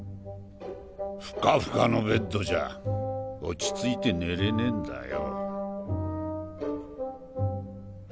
フカフカのベッドじゃ落ち着いて寝れねえんだよ。